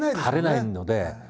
張れないので。